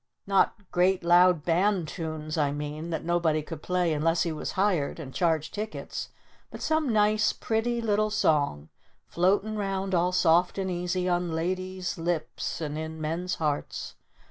Not great loud band tunes, I mean, that nobody could play unless he was hired! And charged tickets! But some nice pretty little Song floatin' round all soft and easy on ladies' lips and in men's hearts.